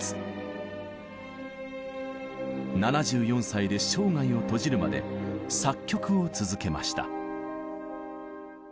７４歳で生涯を閉じるまで作曲を続けました。